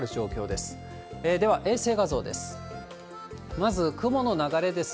では、衛星画像です。